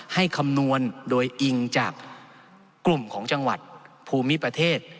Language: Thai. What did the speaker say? คำนวณโดยอิงจากกลุ่มของจังหวัดภูมิประเทศ